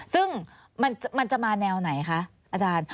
ซึ่งมันจะมาแนวไหนคะอาจารย์